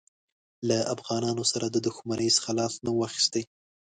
له افغانانو سره د دښمنۍ څخه لاس نه وو اخیستی.